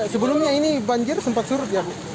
sebelumnya ini banjir sempat surut ya